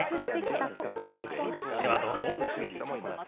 ではどうぞ。